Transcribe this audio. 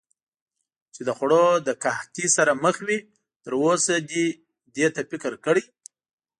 چې د خوړو له قحط سره مخ وي، تراوسه دې دې ته فکر کړی؟